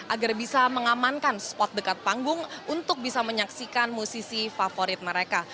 agar bisa mengamankan spot dekat panggung untuk bisa menyaksikan musisi favorit mereka